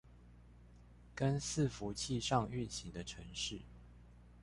跟伺服器上運行的程式